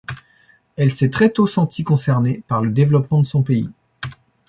Elle s’est très tôt sentie concernée par le développement de son pays.